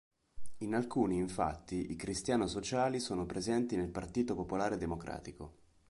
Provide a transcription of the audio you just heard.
In alcuni, infatti, i cristiano-sociali sono presenti nel Partito Popolare Democratico.